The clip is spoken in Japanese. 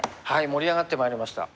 盛り上がってまいりました。